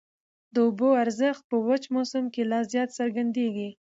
د اوبو ارزښت په وچ موسم کي لا زیات څرګندېږي.